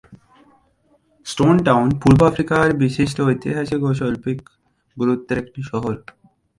Stone Town পূর্ব আফ্রিকার বিশিষ্ট ঐতিহাসিক ও শৈল্পিক গুরুত্বের একটি শহর।